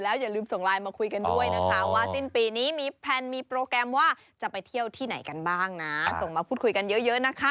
อย่าลืมส่งไลน์มาคุยกันด้วยนะคะว่าสิ้นปีนี้มีแพลนมีโปรแกรมว่าจะไปเที่ยวที่ไหนกันบ้างนะส่งมาพูดคุยกันเยอะนะคะ